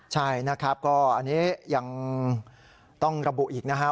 ใช่นะครับก็อันนี้ยังต้องระบุอีกนะฮะ